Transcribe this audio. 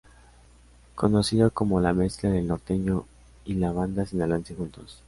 Conocido como la mezcla del norteño y la banda sinaloense juntos.